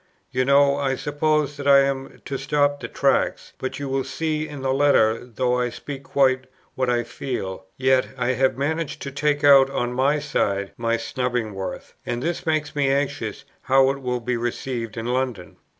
You know, I suppose, that I am to stop the Tracts; but you will see in the Letter, though I speak quite what I feel, yet I have managed to take out on my side my snubbing's worth. And this makes me anxious how it will be received in London.